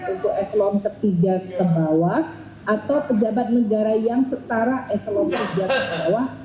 untuk ekselon tiga ke bawah atau pejabat negara yang setara ekselon tiga ke bawah